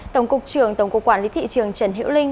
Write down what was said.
tổng cục trường tổng cục quản lý thị trường trần hiễu linh